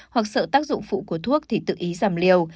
hoặc sợ tác dụng phụ của thuốc thì tự ý giảm liều